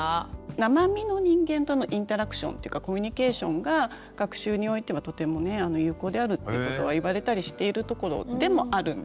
生身の人間とのインタラクションというかコミュニケーションが学習においてはとてもね有効であるってことは言われたりしているところでもあるんですよね。